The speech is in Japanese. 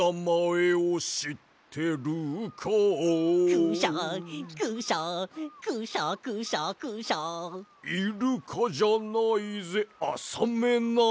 「クシャクシャクシャクシャクシャ」「イルカじゃないぜあサメなのさ」